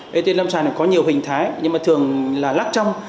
tuy nhiên lâm sài này có nhiều hình thái nhưng mà thường là lắc trong